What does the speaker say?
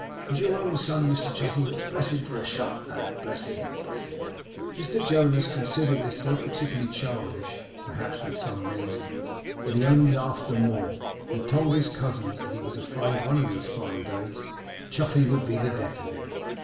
He's your own son, Mr Chuzzlewit! Bless him for a sharp lad! Bless him, bless him!' Mr Jonas considered this so particularly childish (perhaps with some reason), that he only laughed the more, and told his cousins that he was afraid one of these fine days, Chuffey would be the death of him.